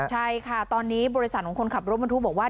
ใช่ค่ะตอนนี้บริษัทของคนขับรถบรรทุกบอกว่า